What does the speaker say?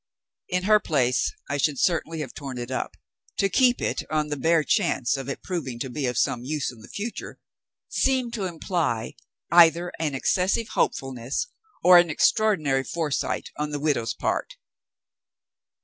In her place, I should certainly have torn it up. To keep it, on the bare chance of its proving to be of some use in the future, seemed to imply either an excessive hopefulness or an extraordinary foresight, on the widow's part.